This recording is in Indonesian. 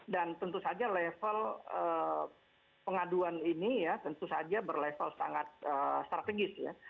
dan tentu saja level pengaduan ini ya tentu saja berlevel sangat strategis ya